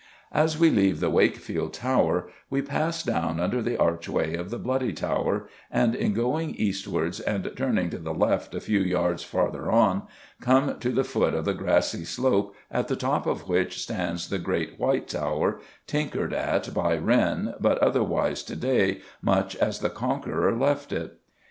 As we leave the Wakefield Tower we pass down under the archway of the Bloody Tower, and, in going eastwards and turning to the left a few yards farther on, come to the foot of the grassy slope at the top of which stands the great White Tower, tinkered at by Wren, but otherwise, to day, much as the Conqueror left it.